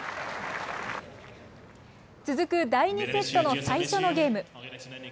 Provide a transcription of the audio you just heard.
続く第２セットの最初のゲーム。